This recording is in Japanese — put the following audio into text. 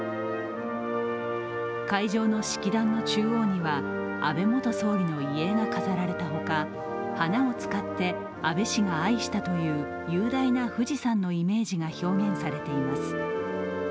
会場の式壇の中央には安倍元総理の遺影が飾られたほか、花を使って安倍氏が愛したという雄大な富士山のイメージが表現されています。